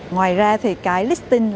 ngoài ra thì cái listing